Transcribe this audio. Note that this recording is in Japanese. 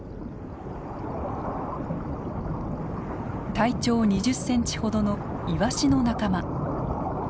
体長２０センチほどのイワシの仲間。